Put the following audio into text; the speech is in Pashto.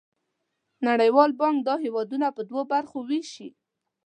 نړیوال بانک دا هېوادونه په دوه برخو ویشي.